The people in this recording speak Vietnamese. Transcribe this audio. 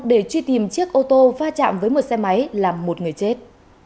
để truy tìm chiếc ô tô va chạm với một xe máy làm một người chết